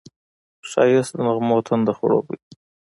ښایست د نغمو تنده خړوبوي